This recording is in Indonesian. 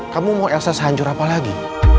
kamu mau elsa sehancur apa lagi